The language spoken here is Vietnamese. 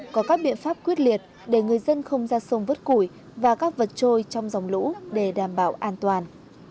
có các biện pháp quyết liệt để người dân không ra sông vớt củi và các vật trôi trong dòng lũ để đảm bảo an toàn